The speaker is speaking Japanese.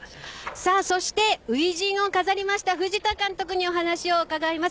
そして、初陣を飾りました藤田監督にお話を伺います。